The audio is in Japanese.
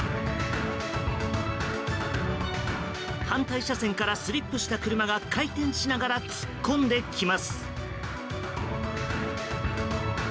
反対車線からスリップした車が回転しながら突っ込んできます。